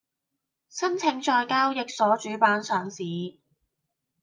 申請在交易所主板上市